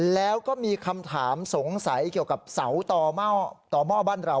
แล้วก็มีคำถามสงสัยเกี่ยวกับเสาต่อหม้อบ้านเรา